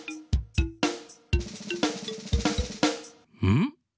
ん？